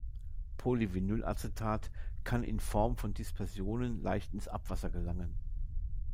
Polyvinylacetat kann in Form von Dispersionen leicht ins Abwasser gelangen.